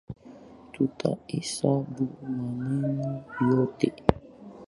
Tutahesabu maneno yote